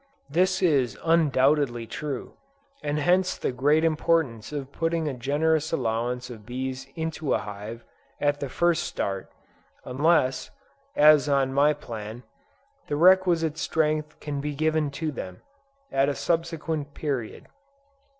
This is undoubtedly true, and hence the great importance of putting a generous allowance of bees into a hive at the first start, unless, as on my plan, the requisite strength can be given to them, at a subsequent period.